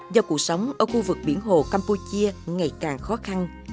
do cuộc sống ở khu vực biển hồ campuchia ngày càng khó khăn